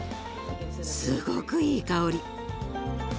すごくいい香り。